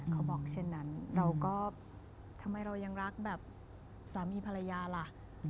เขาบอกเช่นนั้นเราก็ทำไมเรายังรักแบบสามีภรรยาล่ะ